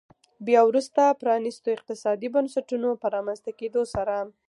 بیا وروسته پرانیستو اقتصادي بنسټونو په رامنځته کېدو سره.